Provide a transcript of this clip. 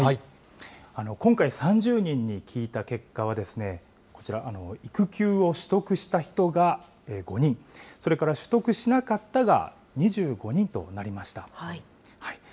今回、３０人に聞いた結果は、こちら、育休を取得した人が５人、それから取得しなかったが２５人となりました。